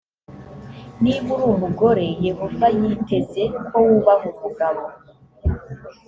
niba uri umugore yehova yiteze ko wubaha umugabo